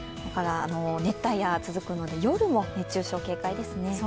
熱帯夜が続くので夜も熱中症に警戒ですね。